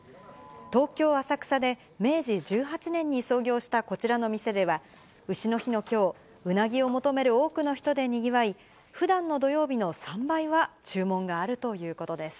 東京・浅草で、明治１８年に創業したこちらの店では、うしの日のきょう、ウナギを求める多くの人でにぎわい、ふだんの土曜日の３倍は注文があるということです。